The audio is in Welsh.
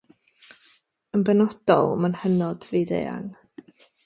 Yn benodol, mae'n hynod fyd-eang.